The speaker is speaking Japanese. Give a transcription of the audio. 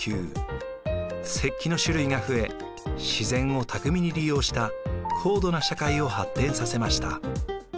石器の種類が増え自然を巧みに利用した高度な社会を発展させました。